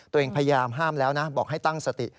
พยายามห้ามแล้วนะบอกให้ตั้งสติ